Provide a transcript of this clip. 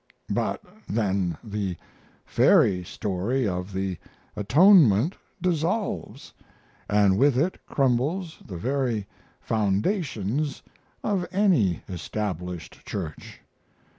"But then the fairy story of the atonement dissolves, and with it crumbles the very foundations of any established church.